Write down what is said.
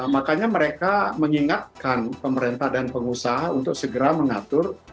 makanya mereka mengingatkan pemerintah dan pengusaha untuk segera mengatur